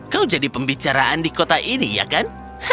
kau jadi pembicaraan di kota ini ya kan